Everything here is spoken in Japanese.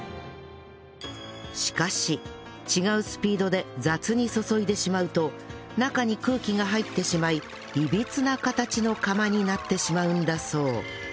しかし違うスピードで雑に注いでしまうと中に空気が入ってしまいいびつな形の釜になってしまうんだそう